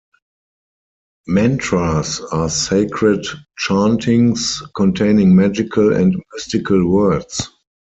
Mantras are sacred chantings containing magical and mystical words.